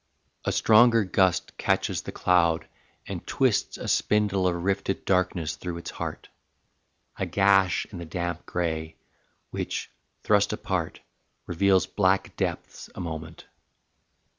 A stronger gust catches the cloud and twists A spindle of rifted darkness through its heart, A gash in the damp grey, which, thrust apart, Reveals black depths a moment.